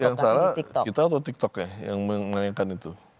yang salah kita atau tiktok ya yang menanyakan itu